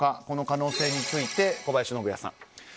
この可能性について小林信也さん。